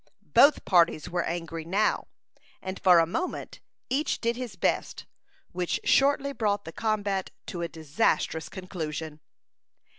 Both parties were angry now, and for a moment, each did his best, which shortly brought the combat to a disastrous conclusion.